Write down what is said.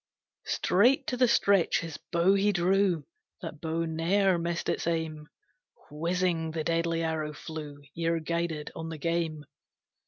Straight to the stretch his bow he drew, That bow ne'er missed its aim, Whizzing the deadly arrow flew, Ear guided, on the game!